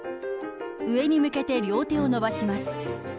上に向けて両手を伸ばします。